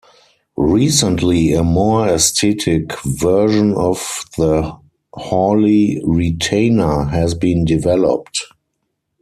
Recently, a more aesthetic version of the Hawley retainer has been developed.